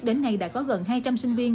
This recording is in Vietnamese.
đến nay đã có gần hai trăm linh sinh viên